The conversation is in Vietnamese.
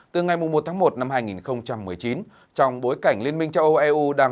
từ ngày một tháng một năm hai nghìn một mươi chín trong bối cảnh liên minh châu âu eu đang